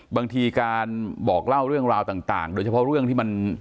บางทีการบอกเล่าเรื่องราวต่างโดยเฉพาะเรื่องที่มัน